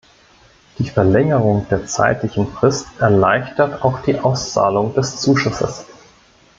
Die Verlängerung der zeitlichen Frist erleichtert auch die Auszahlung des Zuschusses.